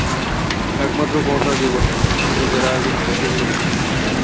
একমাত্র কন্যার বিবাহ, ভোজের আয়োজন প্রচুর করিলাম।